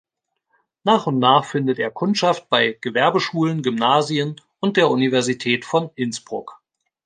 Nach und nach findet er Kundschaft bei Gewerbeschulen, Gymnasien und der Universität von Innsbruck.